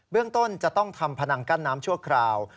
เรื่องต้นจะต้องทำพนังกั้นน้ำชั่วคราว